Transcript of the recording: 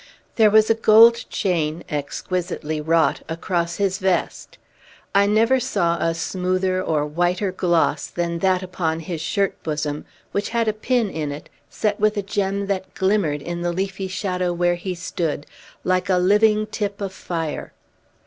There was a gold chain, exquisitely wrought, across his vest. I never saw a smoother or whiter gloss than that upon his shirt bosom, which had a pin in it, set with a gem that glimmered, in the leafy shadow where he stood, like a living tip of fire.